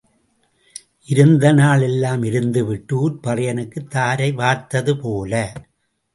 இருந்த நாள் எல்லாம் இருந்துவிட்டு ஊர்ப் பறையனுக்குத் தாரை வார்த்தது போல.